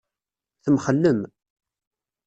Temxellem.